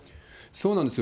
そうなんですよ。